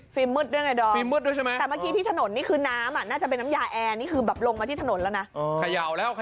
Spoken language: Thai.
คือฟิล์มมืดด้วยไงแต่เมื่อกี้ที่ถนนนี้คือน้ำน่าจะเป็นน้ำยาแอร์นี้คือลงมาที่ถนนแล้วนะ